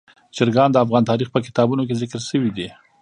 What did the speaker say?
چرګان د افغان تاریخ په کتابونو کې ذکر شوي دي.